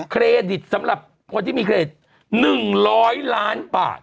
เครดิตสำหรับคนที่มีเครด๑๐๐ล้านบาท